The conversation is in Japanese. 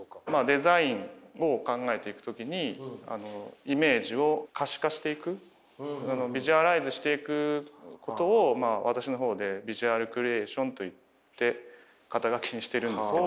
デザインを考えていく時にイメージを可視化していくビジュアライズしていくことを私の方でビジュアルクリエイションと言って肩書にしてるんですけども。